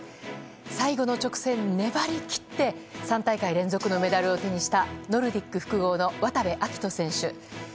最後の直線、粘り切って３大会連続のメダルを手にしたノルディック複合の渡部暁斗選手。